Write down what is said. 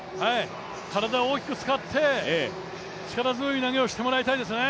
体を大きく使って力強い投げをしてもらいたいですね。